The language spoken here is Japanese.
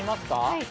はい。